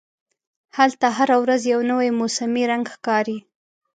هلته هره ورځ یو نوی موسمي رنګ ښکاري.